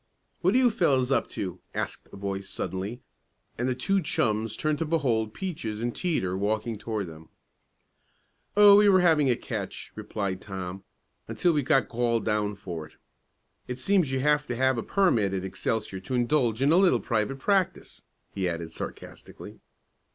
"What are you fellows up to?" asked a voice suddenly, and the two chums turned to behold Peaches and Teeter walking toward them. "Oh, we were having a catch," replied Tom, "until we got called down for it. It seems you have to have a permit at Excelsior to indulge in a little private practice," he added sarcastically.